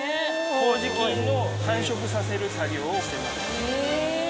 こうじ菌を繁殖させる作業をしています。